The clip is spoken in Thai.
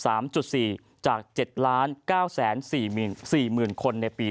จุดสี่จากเจ็ดล้านเก้าแสนสี่หมื่นสี่หมื่นคนในปี